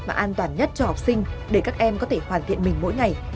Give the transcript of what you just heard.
và an toàn nhất cho học sinh để các em có thể hoàn thiện mình mỗi ngày